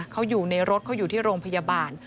เขาอยู่ในรถเขาอยู่ที่โรงพยาบาล